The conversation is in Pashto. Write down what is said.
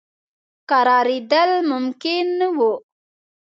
کرارېدل ممکن نه وه.